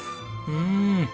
うん！